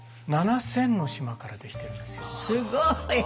すごい。